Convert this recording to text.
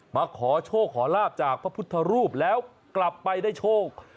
มาขอโชคขอลาบจากพระพุทธรูปแล้วกลับไปได้โชค